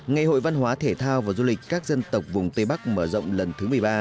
ngày hội văn hóa thể thao và du lịch các dân tộc vùng tây bắc mở rộng lần thứ một mươi ba